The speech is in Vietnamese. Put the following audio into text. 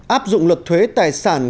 áp dụng luật thuế tài sản